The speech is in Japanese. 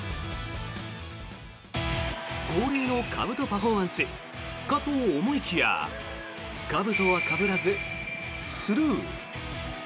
恒例のかぶとパフォーマンスかと思いきやかぶとはかぶらず、スルー。